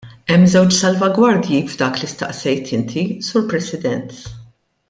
Hemm żewġ salvagwardji f'dak li staqsejt inti, Sur President.